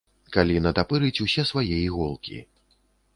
Калі натапырыць усе свае іголкі.